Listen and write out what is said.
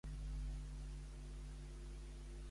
Kutúzov es presenta anunciant que Rússia ha resultat perdedora.